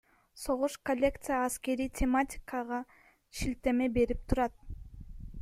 Согуш Коллекция аскерий тематикага шилтеме берип турат.